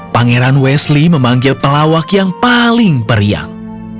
pangeran wesley memanggil pelawak yang paling beriang